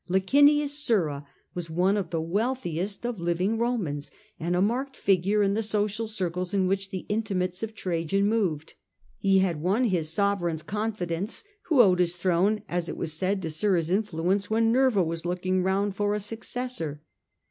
Licinius Sura was one of the wealthiest of living Romans, and a marked figure in the social circles in which the intimates of Trajan moved. He had won his sovereign's confidence, who owed his throne, as it was said, to Sura's influence when Nerva was looking round for a successor.